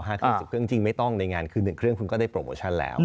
ซึ่งจริงไม่ต้องในงานคือ๑เครื่องคุณก็ได้โปรโมชั่นแล้ว